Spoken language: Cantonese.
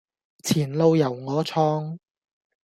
前路由我創